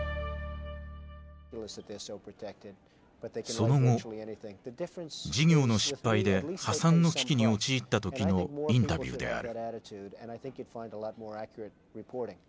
その後事業の失敗で破産の危機に陥った時のインタビューである。